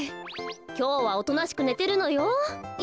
きょうはおとなしくねてるのよ。